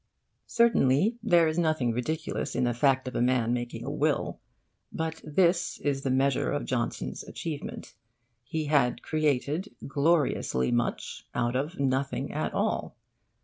Certainly, there is nothing ridiculous in the fact of a man making a will. But this is the measure of Johnson's achievement. He had created gloriously much out of nothing at all.